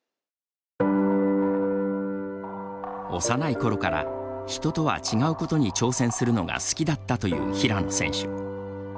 幼いころから人とは違うことに挑戦するのが好きだったという平野選手。